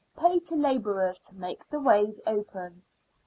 paid to labourers to make the ways open."